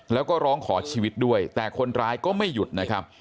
แล้วก็ร้องขอชีวิตด้วยแต่คนร้ายก็ไม่หยุดนะครับ